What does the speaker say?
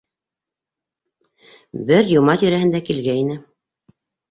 — Бер йома тирәһендә килгәйне.